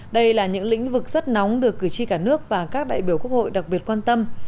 đây là những lĩnh vực rất nóng được cử tri cả nước và các đại biểu quốc hội đặc biệt quan tâm